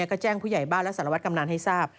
ก็แจ้งผู้ใหญ่บ้านและสารวัตรกำนันให้ทราบ